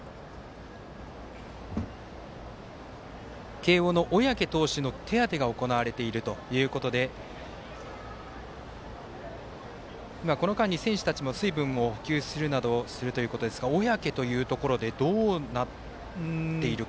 慶応の小宅投手の手当てが行われているということでこの間に選手たちも水分を補給するなどするということですが小宅というところでどうなっているか。